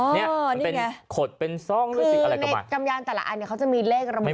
นี่ไงขดเป็นซ่องคือในกำยานแต่ละอันเนี้ยเขาจะมีเลขระบุเอาไว้